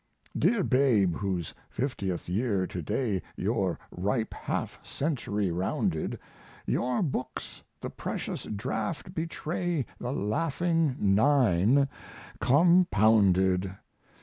Dear babe, whose fiftieth year to day Your ripe half century rounded, Your books the precious draught betray The laughing Nine compounded.